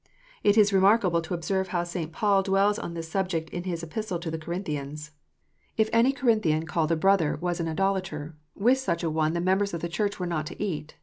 It is remarkable to observe how St. Paul dwells on this subject in his Epistle to the Corinthians. If IDOLATRY. 407 any Corinthian called a brother was an idolator, with such an one the members of the Church " were not to eat."